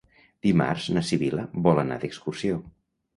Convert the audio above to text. Dimarts na Sibil·la vol anar d'excursió.